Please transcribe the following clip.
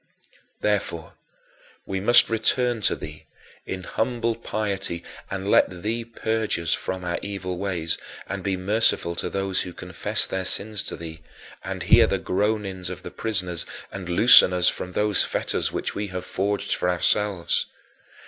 Therefore, we must return to thee in humble piety and let thee purge us from our evil ways, and be merciful to those who confess their sins to thee, and hear the groanings of the prisoners and loosen us from those fetters which we have forged for ourselves.